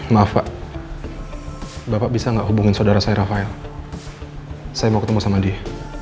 maaf pak bapak bisa nggak hubungin saudara saya rafael saya mau ketemu sama dia